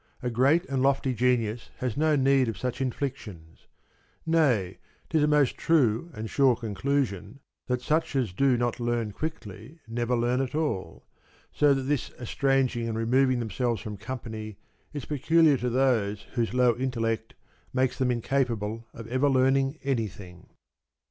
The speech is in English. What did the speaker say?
A great and lofty genius has no need of such inflictions ; nay, 'tis a most true and sure conclusion that such as do not learn quickly never learn at all, so that this estranging and removing them selves from company is peculiar to those whose low intellect makes them incapable of ever learning any thing.